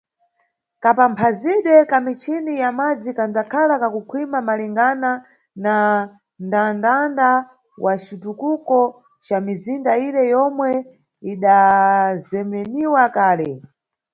Kapamphazidwe ka michini ya madzi kandzakhala kakukhwima malingana na nʼndandanda wa citukuko ca mizinda ire yomwe idazemeniwa kale.